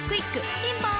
ピンポーン